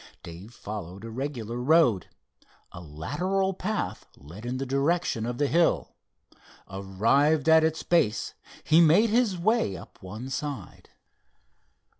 Dave followed a regular road. A lateral path led in the direction of the hill. Arrived at its base, he made his way up one side.